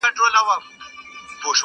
بیا یې پورته کړو نقاب له سپين رخساره,